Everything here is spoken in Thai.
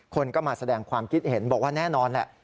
คนก็มาแสดงความคิดเห็นบอกว่าแน่นอนแหละ